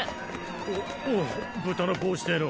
おっおお「豚の帽子」亭の。